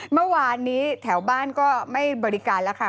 เมื่อวานนี้แถวบ้านก็ไม่บริการแล้วค่ะ